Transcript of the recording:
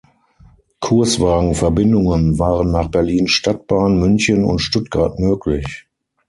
Kurswagen-Verbindungen waren nach Berlin Stadtbahn, München und Stuttgart möglich.